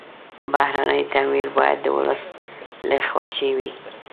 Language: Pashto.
بهرني تمویل باید د ولس له خوښې وي.